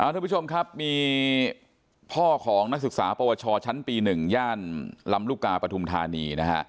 ทุกคนมีเพราะของนักศึกษาปวชชั้นปี๑ย่านลำลูกกาปฐุมธานี